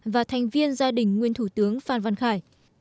và thành viên gia đình nguyên thủ tướng phan văn khải